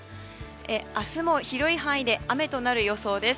明日も広い範囲で雨となる予想です。